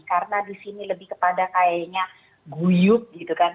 karena di sini lebih kepada kayaknya guyut gitu kan